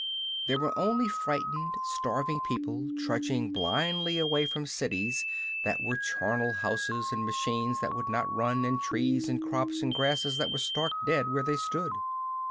There were only frightened, starving people trudging blindly away from cities that were charnel houses and machines that would not run and trees and crops and grasses that were stark dead where they stood.